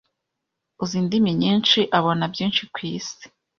Uzi indimi nyinshi abona byinshi ku isi.